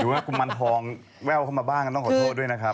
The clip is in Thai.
หรือว่ากุมมันทองแววเข้ามาบ้างต้องขอโทษด้วยนะครับ